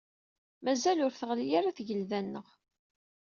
Mazal ur teɣli ara tgelda-nneɣ